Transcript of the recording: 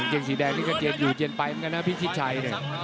เกงสีแดงนี่ก็เย็นอยู่เย็นไปกันนะพี่ชิดชัย